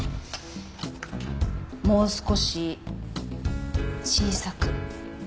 もう少し小さく。